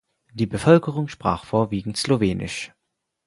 Die Bevölkerung sprach vorwiegend Slowenisch.